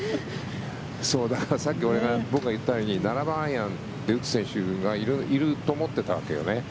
さっき僕が言ったように７番アイアンで打つ選手がいると思ってたんだよね。